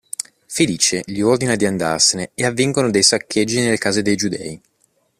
Felice gli ordina di andarsene e avvengono dei saccheggi nelle case dei giudei.